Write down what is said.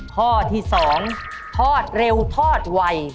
ข้อที่๒ทอดเร็วทอดไว